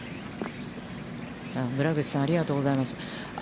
村口さん、ありがとうございます。